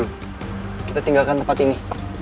ayo guru kita tinggalkan tempat ini